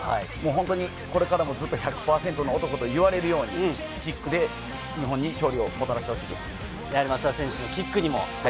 これからもずっと１００％の男と言われるように、キックで日本に勝利をもたらしてほしいです。